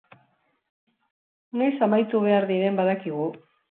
Noiz amaitu behar diren badakigu.